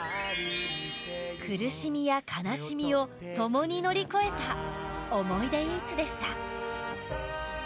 苦しみや悲しみを共に乗り越えたオモイデイーツでした